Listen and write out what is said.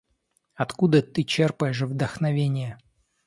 Откуда ты черпаешь вдохновение?